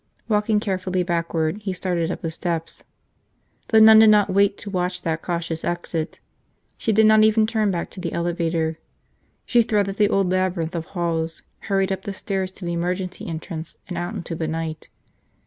Walking carefully backward, he started up the steps. The nun did not wait to watch that cautious exit. She did not even turn back to the elevator. She threaded the old labyrinth of halls, hurried up the stairs to the emergency entrance and out into the night.